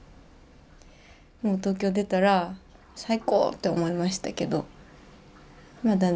もう東京出たら最高って思いましたけどまあ